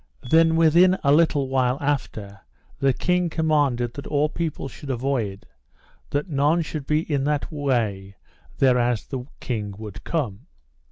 Then within a little while after, the king commanded that all people should avoid, that none should be in that way thereas the king would come.